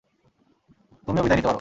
তুমিও বিদায় নিতে পারো।